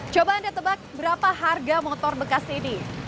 coba anda tebak berapa harga motor bekas ini